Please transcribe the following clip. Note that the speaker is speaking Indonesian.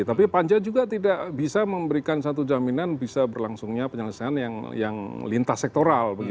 tapi panja juga tidak bisa memberikan satu jaminan bisa berlangsungnya penyelesaian yang lintas sektoral